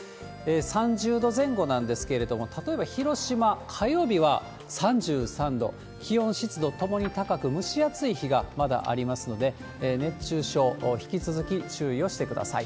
３０度前後なんですけれども、例えば広島、火曜日は３３度、気温、湿度ともに高く、蒸し暑い日がまだありますので、熱中症、引き続き注意をしてください。